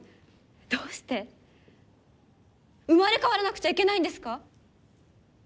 どうして生まれ変わらなくちゃいけないんですか？